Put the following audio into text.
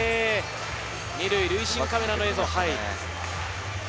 ２塁塁審カメラの映像です。